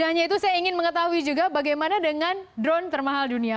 tidak hanya itu saya ingin mengetahui juga bagaimana dengan drone termahal dunia